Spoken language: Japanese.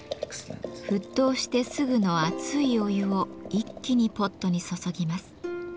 沸騰してすぐの熱いお湯を一気にポットに注ぎます。